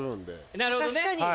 なるほどね。